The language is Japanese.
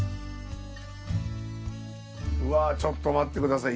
うわっちょっと待ってください。